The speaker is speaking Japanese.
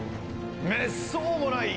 めっそうもない！